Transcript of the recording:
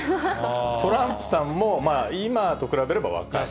トランプさんもまあ、今と比べれば若い。